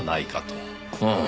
うん。